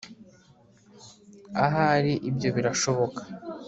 ahari ibyo birashoboka